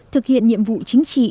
thực hiện nhiệm vụ chính trị